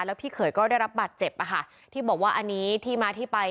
แล้วพี่เขยก็ได้รับบาดเจ็บอ่ะค่ะที่บอกว่าอันนี้ที่มาที่ไป